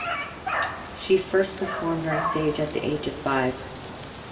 She first performed on stage at the age of five.